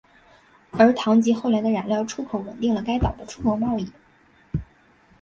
而糖及后来的染料出口稳定了该岛的出口贸易。